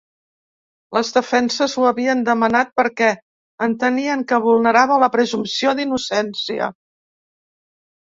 Les defenses ho havien demanat perquè entenien que vulnerava la presumpció d’innocència.